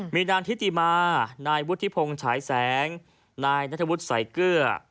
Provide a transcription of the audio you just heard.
มีนางทิติมานายวุฒิพงศ์ฉายแสงนายนัทวุฒิสายเกลือ